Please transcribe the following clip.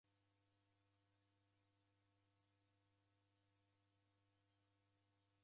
Vijiko vapo velaghaya vose